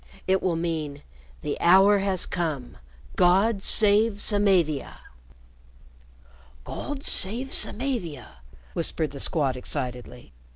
It will mean, 'The hour has come. God save Samavia!'" "God save Samavia!" whispered the Squad, excitedly.